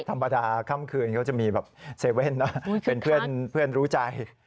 ธรรมดาค่ำคืนเขาจะมีแบบ๗๑๑นะเป็นเพื่อนรู้ใจ